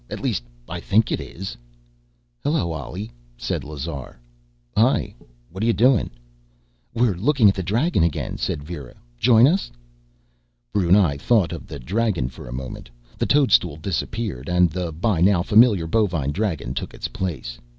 At least, I think it is. "Hello Ollie," said Lazar. "Hi. What're you doing?" "We're looking at the dragon again," said Vera. "Join us?" Brunei thought of the dragon for a moment. The toadstool disappeared, and the by now familiar bovine dragon took its place.